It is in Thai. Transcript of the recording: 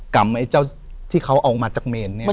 กำไอ้เจ้าที่เขาเอาออกมาจากเมนเนี่ยครับ